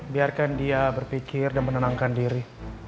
biarkan dia berpikir dan menenangkan diri